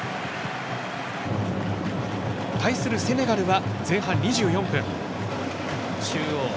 対するセネガルは前半２４分。